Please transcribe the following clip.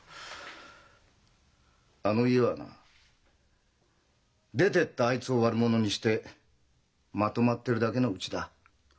あの家はな出てったあいつを悪者にしてまとまってるだけのうちだ。